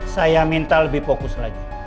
saya minta lebih fokus lagi